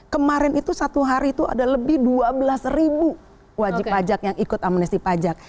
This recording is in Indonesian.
kemarin itu satu hari itu ada lebih dua belas ribu wajib pajak yang ikut amnesti pajak